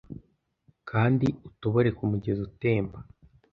Kandi utobore kumugezi utemba.